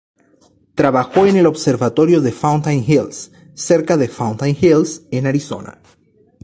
Trabajó en el "observatorio de Fountain Hills", cerca de Fountain Hills en Arizona.